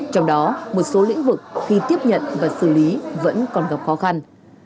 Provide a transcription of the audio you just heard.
trong đó một số lĩnh vực khi tiếp nhận và xử lý vẫn còn gặp khó khăn